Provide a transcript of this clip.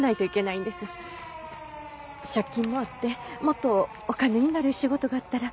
借金もあってもっとお金になる仕事があったら。